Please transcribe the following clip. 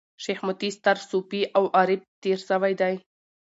شېخ متي ستر صوفي او عارف تېر سوی دﺉ.